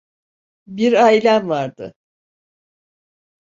Bir ailem vardı.